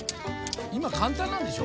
今簡単なんでしょ？